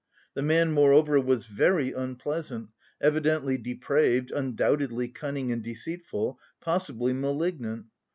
The man, moreover, was very unpleasant, evidently depraved, undoubtedly cunning and deceitful, possibly malignant.